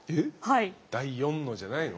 「第４の」じゃないの？